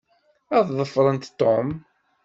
Ad ḍefrent Tom.